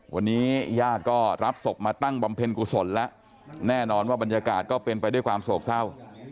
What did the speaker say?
วันนี้ญาติก็รับศพมาตั้งบำเพ็ญกุศลแล้วแน่นอนว่าบรรยากาศก็เป็นไปด้วยความโศกเศร้า